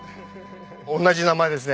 同じ名前ですね。